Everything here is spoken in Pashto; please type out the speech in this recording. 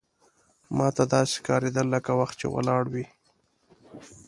ماته داسې ښکارېدل لکه وخت چې ولاړ وي.